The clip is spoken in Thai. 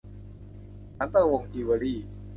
สันตะวงศ์จิวเวลรี่